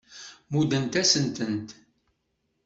Muddent-asent-tent.